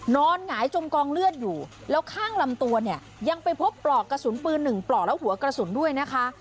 หงายจมกองเลือดอยู่แล้วข้างลำตัวเนี่ยยังไปพบปลอกกระสุนปืนหนึ่งปลอกแล้วหัวกระสุนด้วยนะคะ